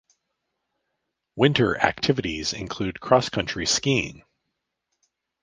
Winter activities include cross-country skiing.